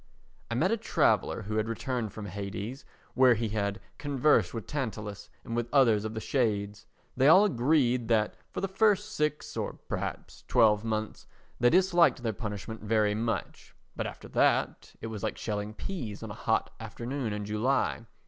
I met a traveller who had returned from Hades where he had conversed with Tantalus and with others of the shades. They all agreed that for the first six, or perhaps twelve, months they disliked their punishment very much; but after that, it was like shelling peas on a hot afternoon in July.